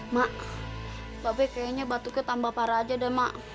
mak babe kayaknya batuknya tambah parah aja deh mak